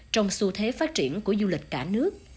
trong xu thế phát triển của du lịch cả nước